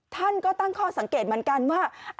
ท่านก็ตั้งข้อสังเกตเหมือนกันว่า